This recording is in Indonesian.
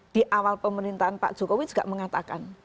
di awal pemerintahan pak jokowi juga mengatakan